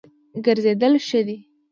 ګرځېدل ښه دی.